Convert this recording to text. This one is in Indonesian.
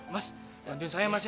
mas bantuin saya mas ya